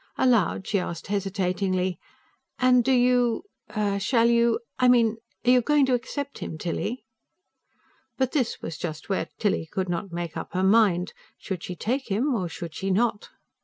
Aloud, she asked hesitatingly: "And do you ... shall you ... I mean, are you going to accept him, Tilly?" But this was just where Tilly could not make up her mind: should she take him, or should she not?